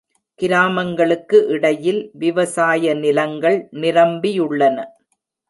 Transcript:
கிராமங்களுக்கு இடையில் விவசாய நிலங்கள் நிரம்பியுள்ளன.